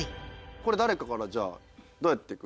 これ誰かからじゃあどうやっていく？